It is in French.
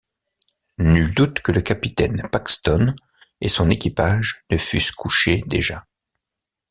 Nul doute que le capitaine Paxton et son équipage ne fussent couchés déjà...